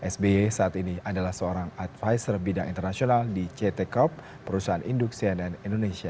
sby saat ini adalah seorang advisor bidang internasional di ct corp perusahaan induk cnn indonesia